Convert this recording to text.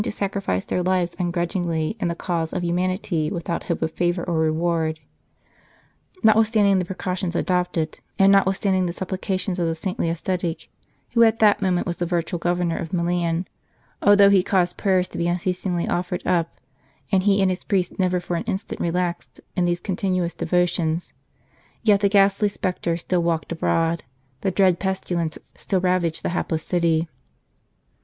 to sacrifice their lives ungrudgingly in the cause of humanity without hope of favour or reward. 146 " The Plague of St. Charles " Notwithstanding the precautions adopted, and notwithstanding the supplications of the saintly ascetic, who at that moment was the virtual Governor of Milan although he caused prayers to be unceasingly offered up, and he and his priests never for an instant relaxed in these con tinuous devotions, yet the ghastly spectre still walked abroad, the dread pestilence still ravaged the hapless city.